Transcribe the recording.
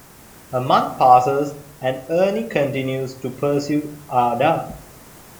A month passes, and Ernie continues to pursue Ada.